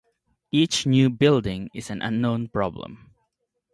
Each new building is an unknown problem.